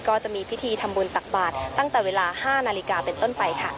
ก็จะมีพิธีทำบุญตักบาทตั้งแต่เวลา๕นาฬิกาเป็นต้นไปค่ะ